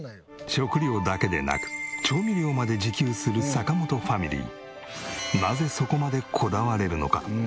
食料だけでなく調味料まで自給する坂本ファミリー。